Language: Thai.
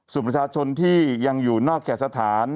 ส่วนประชาชนที่ยังอยู่นอกแก่สถาน